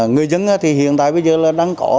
người dân thì hiện tại bây giờ là đang có